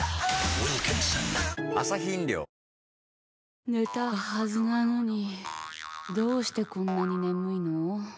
ウィルキンソン寝たはずなのにどうしてこんなに眠いの。